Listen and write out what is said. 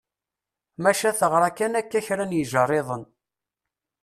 Maca teɣra kan akka kra n yijerriden.